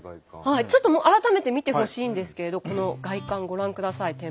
ちょっと改めて見てほしいんですけれどこの外観ご覧ください店舗の。